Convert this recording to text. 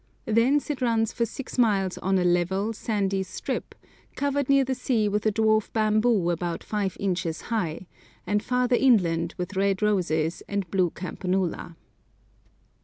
Thence it runs for six miles on a level, sandy strip, covered near the sea with a dwarf bamboo about five inches high, and farther inland with red roses and blue campanula.